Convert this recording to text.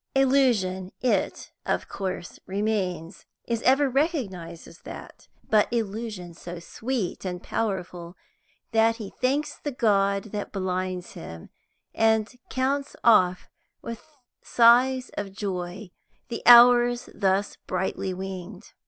Illusion it of course remains; is ever recognised as that; but illusion so sweet and powerful that he thanks the god that blinds him, and counts off with sighs of joy the hours thus brightly winged.